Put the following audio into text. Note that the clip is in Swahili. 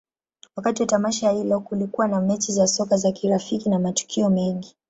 Wakati wa tamasha hilo, kulikuwa na mechi za soka za kirafiki na matukio mengine.